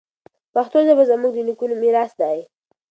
پښتو ژبه زموږ د نیکونو میراث دی.